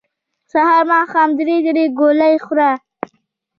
سحر ماښام درې درې ګولۍ خوره